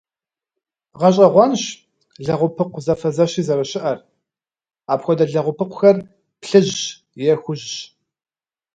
Гъэщӏэгъуэнщ лэгъупыкъу зэфэзэщи зэрыщыӏэр, апхуэдэ лэгъупыкъухэр плъыжьщ е хужьщ.